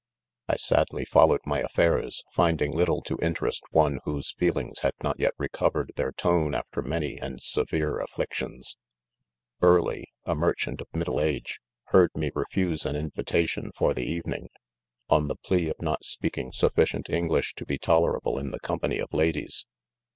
I sadly followed my affairs, finding little to interest one whose feelings had not yet recovered their tone after many and severe afflictions. Burleigh, a merchant of middle age, heard me refuse an invitation for the evening, on the plea of not speaking sufficient English to be tolerable in the company of ladies.